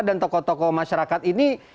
dan tokoh tokoh masyarakat ini